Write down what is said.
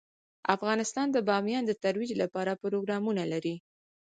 افغانستان د بامیان د ترویج لپاره پروګرامونه لري.